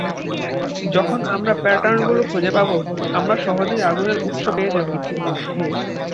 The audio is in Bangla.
যখন আমরা প্যাটার্ন গুলো খুঁজে পাবো, আমরা সহজেই আগুনের উৎস পেয়ে যাব।